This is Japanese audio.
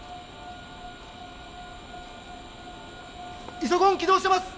イソコン起動してます！